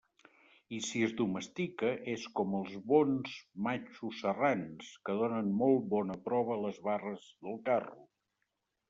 I si es domestica, és com els bons matxos serrans, que donen molt bona prova a les barres del carro.